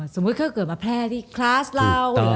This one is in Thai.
สมมุติเขาเกิดมาแพร่ที่คลาสเรา